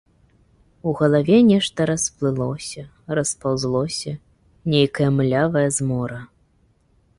У галаве нешта расплылося, распаўзлося, нейкая млявая змора.